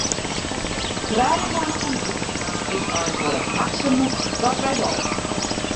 Trije moanne fan hûs is eins wol it maksimum wat wy wolle.